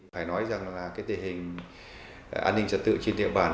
phải nói rằng là cái tình hình an ninh trật tự trên địa bàn